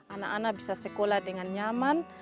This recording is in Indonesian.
anak anak bisa sekolah dengan nyaman